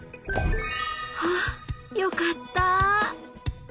ほっよかった。